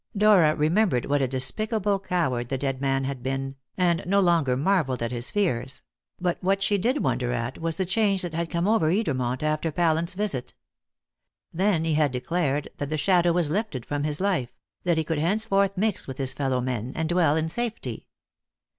Dora remembered what a despicable coward the dead man had been, and no longer marvelled at his fears; but what she did wonder at was the change that had come over Edermont after Pallant's visit. Then he had declared that the shadow was lifted from his life; that he could henceforth mix with his fellow men, and dwell in safety.